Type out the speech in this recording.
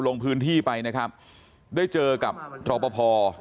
ลงพื้นที่ไปนะครับได้เจอกับรอปภ